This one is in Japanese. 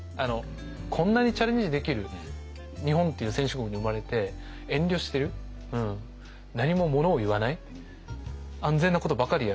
こんなにチャレンジできる日本っていう先進国に生まれて遠慮してる何もものを言わない安全なことばかりやる